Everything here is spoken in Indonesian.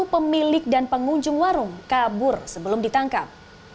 pemilik dan pengunjung warung kabur sebelum ditangkap